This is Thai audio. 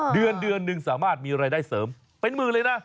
เดือนนึงสามารถมีรายได้เสริมเป็นมือเลยนะ